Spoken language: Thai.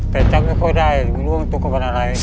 แต่จำไม่ค่อยได้ว่าเรื่องตัวเป็นอะไร